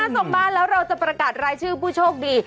ส่งบ้านแล้วเราจะประกาศรายชื่อผู้โชคดี